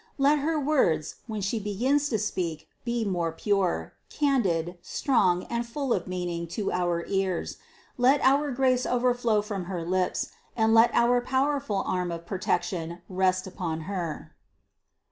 Let her words, when she begins to speak, be most pure, candid, strong and full of meaning to our ears; let our grace overflow from her lips, and let our powerful arm of protection rest upon her."